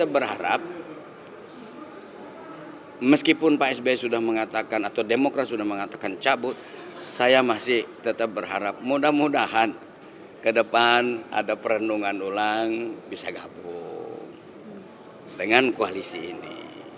walaupun pak sbi sudah mengatakan atau demokrasi sudah mengatakan cabut saya masih tetap berharap mudah mudahan ke depan ada perhendungan ulang bisa gabung dengan koalisi ini